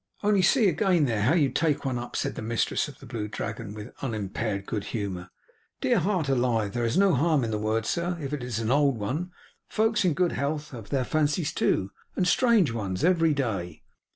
'Only see again there, how you take one up!' said the mistress of the Blue Dragon, with unimpaired good humour. 'Dear heart alive, there is no harm in the word, sir, if it is an old one. Folks in good health have their fancies, too, and strange ones, every day.